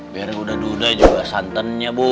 biar kuda duda juga santannya bu